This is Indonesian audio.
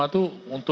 pak pak presidio guru